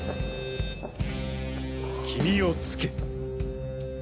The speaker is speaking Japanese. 君を尾け。